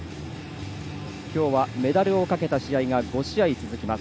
きょうはメダルをかけた試合が５試合続きます。